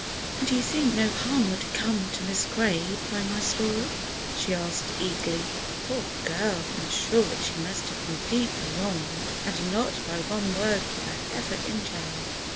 "And you think no harm would come to Miss Gray by my story?" she asked eagerly. "Poor girl, I am sure that she must have been deeply wronged, and not by one word would I ever injure her!"